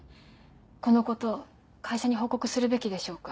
このこと会社に報告するべきでしょうか？